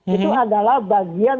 itu adalah bagian